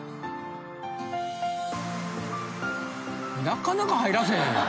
なかなか入らせへん。